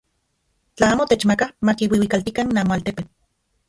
Tla amo techmakaj, makiuiuikaltikan namoaltepe.